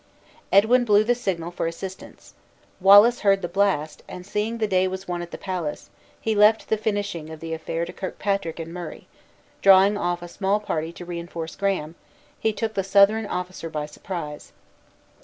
Edwin blew the signal for assistance. Wallace heard the blast; and seeing the day was won at the palace, he left the finishing of the affair to Kirkpatrick and Murray; and, drawing off a small party to reinforce Graham, he took the Southron officer by surprise.